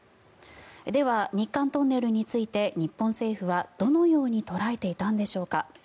では、日韓トンネルについて日本政府はどのように捉えていたんでしょうか。